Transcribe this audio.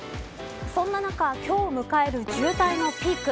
そんな中今日迎える渋滞のピーク